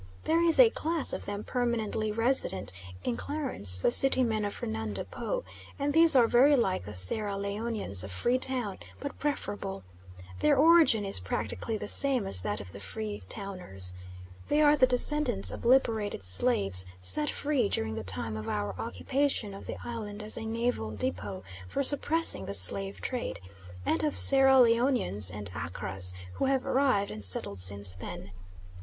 There is a class of them permanently resident in Clarence, the city men of Fernando Po, and these are very like the Sierra Leonians of Free Town, but preferable. Their origin is practically the same as that of the Free Towners. They are the descendants of liberated slaves set free during the time of our occupation of the island as a naval depot for suppressing the slave trade, and of Sierra Leonians and Accras who have arrived and settled since then.